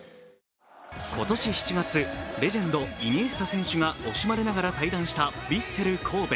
今年７月、レジェンド・イニエスタ選手が惜しまれながら退団したヴィッセル神戸。